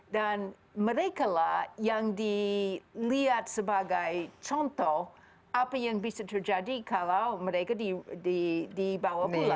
dan mereka lah yang dilihat sebagai contoh apa yang bisa terjadi kalau mereka dibawa pulang